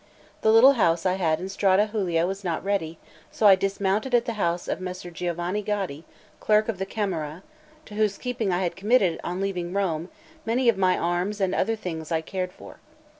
The little house I had in Strada Giulia was not ready; so I dismounted at the house of Messer Giovanni Gaddi, clerk of the Camera, to whose keeping I had committed, on leaving Rome, many of my arms and other things I cared for.